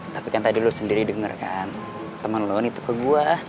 tapi kan tadi lo sendiri denger kan temen lo nitip ke gue